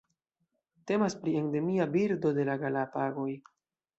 Temas pri endemia birdo de la Galapagoj.